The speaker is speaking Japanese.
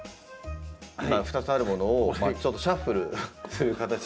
今２つあるものをちょっとシャッフルする形。